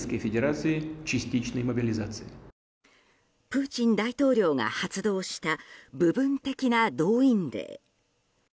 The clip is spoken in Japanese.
プーチン大統領が発動した部分的な動員令。